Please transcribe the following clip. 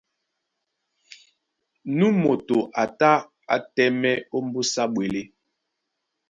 Nú moto a tá á tɛ́mɛ̀ ómbúsá ɓwelé.